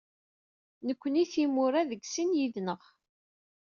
Nekni d imura deg sin yid-neɣ.